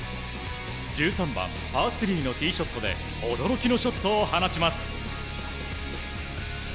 １３番、パー３のティーショットで驚きのショットを放ちます。